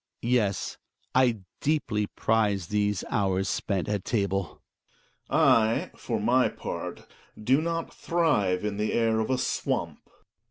Yes, I deeply prize these hours spent at table. Gregers. I, for m y part, do not thrive in the air of a swamp.